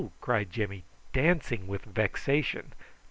cried Jimmy, dancing with vexation.